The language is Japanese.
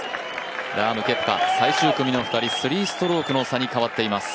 ラーム、ケプカ、最終組の２人３ストロークの差に変わっています